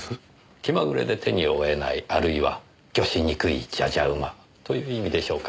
「気まぐれで手に負えない」あるいは「御しにくいじゃじゃ馬」という意味でしょうか。